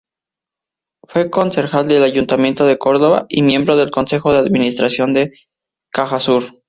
Fue concejal del Ayuntamiento de Córdoba y miembro del consejo de administración de Cajasur.